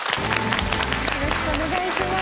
よろしくお願いします